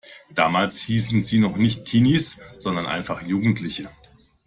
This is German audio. Damals hießen sie noch nicht Teenies sondern einfach Jugendliche.